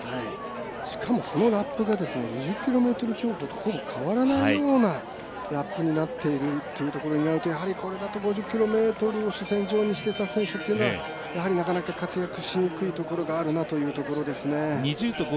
しかも、そのラップが２０ｋｍ競歩とほぼ変わらないようなラップになっているということになるとやはりこれだけ５０ｋｍを主戦場にしていた選手というのはなかなか活躍しにくいところがあるなというところですね。